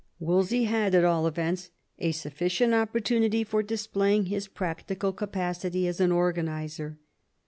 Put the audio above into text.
Wolsey had at all events a sufficient opportunity for displaying his practical capacity as an organiser.